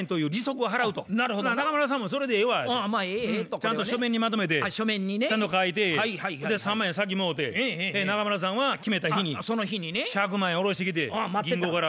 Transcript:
ちゃんと書面にまとめてちゃんと書いて３万円先もろて中村さんは決めた日に１００万円下ろしてきて銀行から。